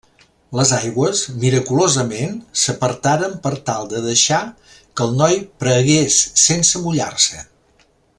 Les aigües, miraculosament, s'apartaren per tal de deixar que el noi pregués sense mullar-se.